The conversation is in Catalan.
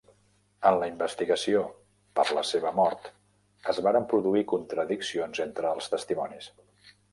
En la investigació per la seva mort es varen produir contradiccions entre els testimonis.